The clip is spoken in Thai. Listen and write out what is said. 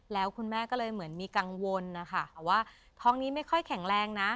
แล้วคุณแม่ก็เลยเหมือนมีกังวลนะคะว่าท้องนี้ไม่ค่อยแข็งแรงนะ